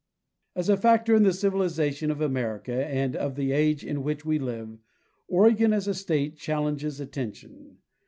As a factor in the civilization of America and of the age in which we live, Oregon as a state challenges attention.